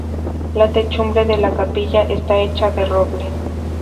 La techumbre de la capilla está hecha de roble.